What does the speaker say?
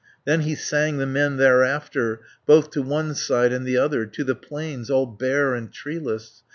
Then he sang the men thereafter Both to one side and the other, To the plains, all bare and treeless.